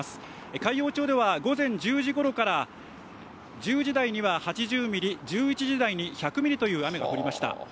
海陽町では午前１０時ごろから、１０時台には８０ミリ、１１時台に１００ミリという雨が降りました。